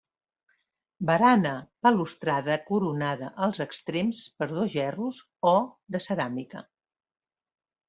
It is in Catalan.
Barana balustrada coronada als extrems per dos gerros o de ceràmica.